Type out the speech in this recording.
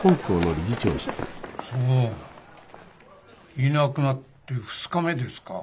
いなくなって２日目ですか。